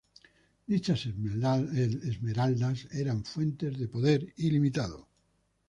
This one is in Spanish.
Dichas esmeraldas eran fuente de poder ilimitado.